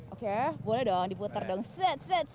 oke boleh dong diputar dong set set set set pose pose pose